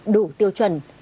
đủ tiêu chuẩn